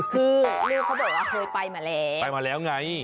คือลูกเขาบอกว่าเคยไปมาแล้วไปมาแล้วไง